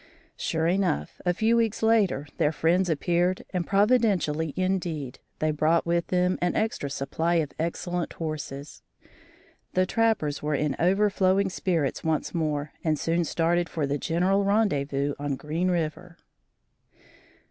Sure enough, a few weeks later, their friends appeared and providentially indeed they brought with them an extra supply of excellent horses. The trappers were in overflowing spirits once more and soon started for the general rendezvous on Green River.